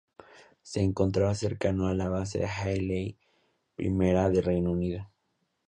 Se encontraba cercano a la base Halley I del Reino Unido.